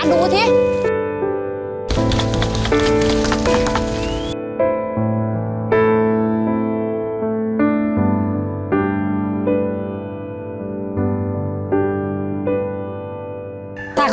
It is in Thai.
เมื่อ